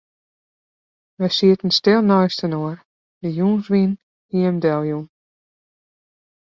Wy sieten stil neistinoar, de jûnswyn hie him deljûn.